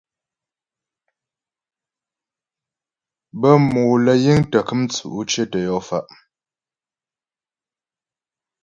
Bə́ mòm lə́ yiŋ tə́ kəm tsʉ̌' cyətə yɔ fa'.